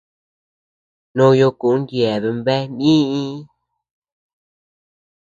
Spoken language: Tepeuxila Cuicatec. Noyo kun yeabean bea nïi.